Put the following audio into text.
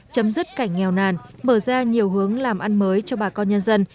chấm dứt cảnh nghèo nàn mở ra nhiều hướng làm ăn mới cho bà con nhân dân